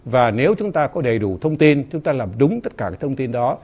và nếu chúng ta có đầy đủ thông tin chúng ta làm đúng tất cả cái thông tin đó